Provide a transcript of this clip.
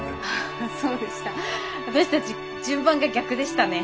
あっそうでした。